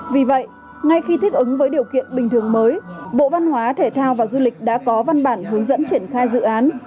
vì vậy ngay khi thích ứng với điều kiện bình thường mới bộ văn hóa thể thao và du lịch đã có văn bản hướng dẫn triển khai dự án